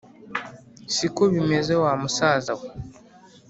siko bimeze wa musaza we